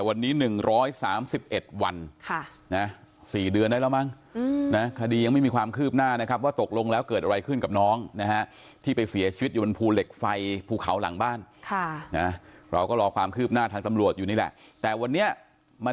วันนี้หนึ่งร้อยสามสิบเอ็ดวันค่ะน่ะสี่เดือนได้แล้วมั้งอืม